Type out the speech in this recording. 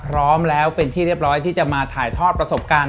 พร้อมแล้วเป็นที่เรียบร้อยที่จะมาถ่ายทอดประสบการณ์